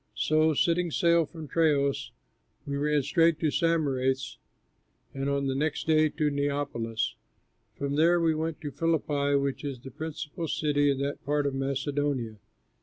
So, setting sail from Troas, we ran straight to Samothrace, and on the next day to Neapolis. From there we went to Philippi, which is the principal city in that part of Macedonia.